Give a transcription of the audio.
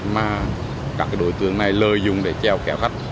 mà các đối tượng này lợi dụng để treo kéo khách